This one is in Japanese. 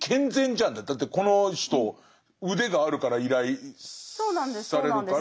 だってこの人腕があるから依頼されるから。